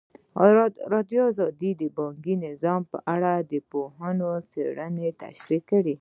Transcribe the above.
ازادي راډیو د بانکي نظام په اړه د پوهانو څېړنې تشریح کړې.